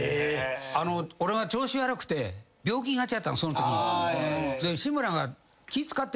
あの俺が調子悪くて病気がちだったのそのとき。